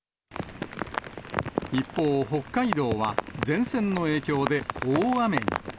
一方、北海道は前線の影響で大雨に。